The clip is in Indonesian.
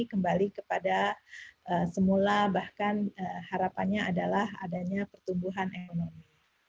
kembali kepada semula bahkan harapannya adalah adanya pertumbuhan ekonomi